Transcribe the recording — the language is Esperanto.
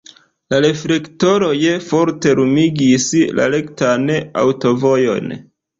La reflektoroj forte lumigis la rektan aŭtovojon.